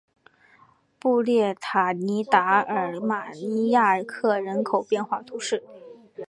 布列塔尼达尔马尼亚克人口变化图示